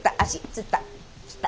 つった。